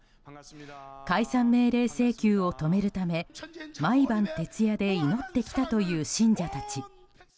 解散命令請求を止めるため毎晩、徹夜で祈ってきたという信者たち。